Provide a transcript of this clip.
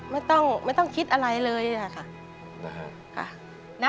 ไม่ต้องไม่ต้องคิดอะไรเลยนะค่ะ